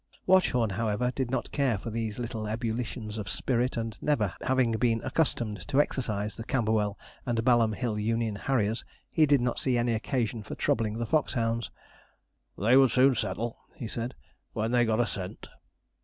Watchorn, however, did not care for these little ebullitions of spirit, and never having been accustomed to exercise the Camberwell and Balham Hill Union Harriers, he did not see any occasion for troubling the fox hounds. 'They would soon settle,' he said, 'when they got a scent.'